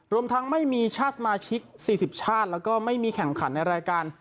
รวมทั้งไม่มีชาติสมาชิก๔๐ชาติแล้วก็ไม่มีแข่งขันในรายการ